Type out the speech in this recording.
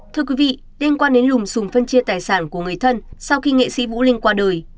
thưa quý vị đêm qua nến lùm xùm phân chia tài sản của người thân sau khi nghệ sĩ vũ linh qua đời